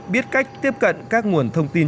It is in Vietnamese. biết cách tiếp cận các nguồn thông tin